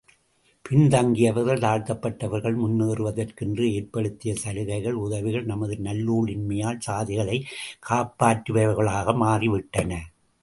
பின் தங்கியவர்கள், தாழ்த்தப்பட்டவர்கள் முன்னேறுவதற்கு என்று ஏற்படுத்திய சலுகைகள், உதவிகள் நமது நல்லூழின்மையால் சாதிகளைக் காப்பாற்றுபவைகளாக மாறிவிட்டன.